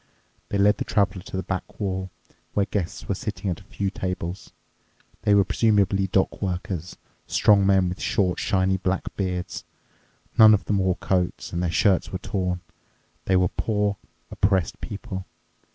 They led the Traveler to the back wall, where guests were sitting at a few tables. They were presumably dock workers, strong men with short, shiny, black beards. None of them wore coats, and their shirts were torn. They were poor, oppressed people.